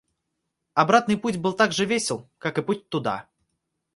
Обратный путь был так же весел, как и путь туда.